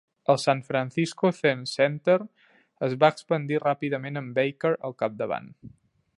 El San Francisco Zen Center es va expandir ràpidament amb Baker al capdavant.